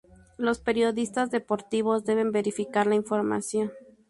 Los periodistas deportivos deben verificar la información.